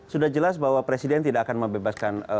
sudah jelas bahwa presiden tidak akan membebaskan